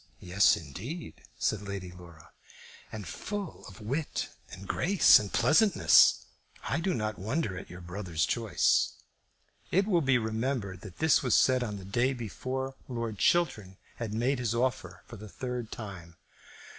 "Yes, indeed," said Lady Laura. "And full of wit and grace and pleasantness. I do not wonder at your brother's choice." It will be remembered that this was said on the day before Lord Chiltern had made his offer for the third time.